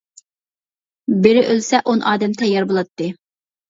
بىرى ئۆلسە، ئون ئادەم تەييار بولاتتى.